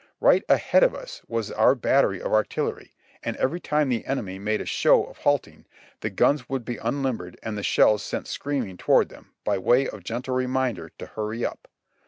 Right ahead of us was our battery of artillery, and every time the enemy made a show of halting, the guns would be unlimbered and the shells sent screaming toward them, by way of gentle reminder to hurry up.